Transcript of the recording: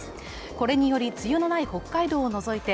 これにより梅雨のない北海道を除いて